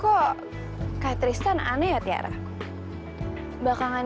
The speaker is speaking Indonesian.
kok catristen aneh tiara bakangan